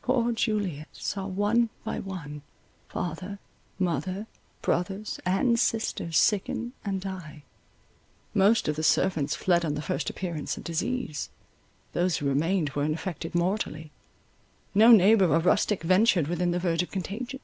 Poor Juliet saw one by one, father, mother, brothers, and sisters, sicken and die. Most of the servants fled on the first appearance of disease, those who remained were infected mortally; no neighbour or rustic ventured within the verge of contagion.